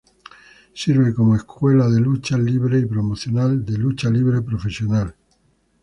Sirve como escuela de lucha libre y promoción de Lucha Libre Profesional.